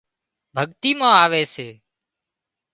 ڀڳتي مان آوي سي